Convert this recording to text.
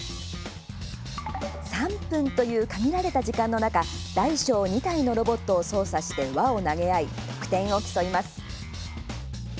３分という限られた時間の中大小２体のロボットを操作して輪を投げ合い、得点を競います。